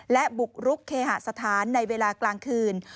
และบุกรุกเคหสถานในเวลากลางคืน